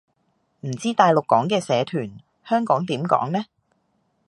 唔知大陸講嘅社團，香港點講呢